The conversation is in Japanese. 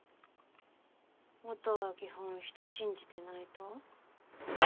音は基本人信じてないと？